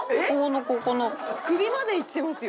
首までいってますよ。